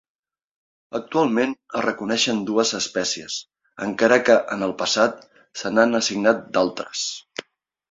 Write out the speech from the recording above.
Actualment es reconeixen dues espècies, encara que en el passat se'n han assignat d'altres.